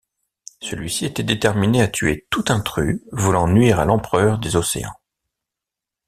Celui-ci était déterminé à tuer tout intrus voulant nuire à l'Empereur des Océans.